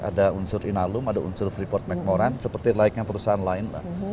ada unsur inalum ada unsur report mac moran seperti lainnya perusahaan lain